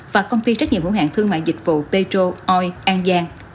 và công ty trách nhiệm hữu hạng thương mại dịch vụ petro oi an giang